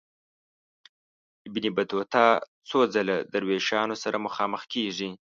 ابن بطوطه څو ځله د دروېشانو سره مخامخ کیږي.